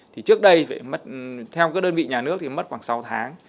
thì trước đây theo các đơn vị nhà nước thì mất khoảng sáu tháng